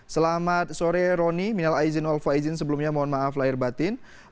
selamat sore roni minal aizin alfa izin sebelumnya mohon maaf lahir batin